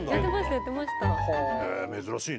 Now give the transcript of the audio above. やってました。